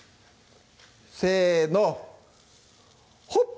せのほっ！